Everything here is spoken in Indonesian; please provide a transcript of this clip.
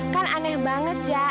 kan aneh banget ja